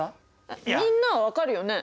みんなは分かるよね！